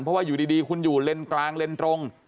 เพราะว่าอยู่ดีคุณอยู่เลนกลางเลนตรง